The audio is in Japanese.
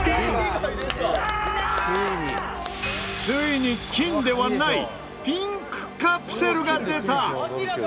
ついに金ではないピンクカプセルが出た！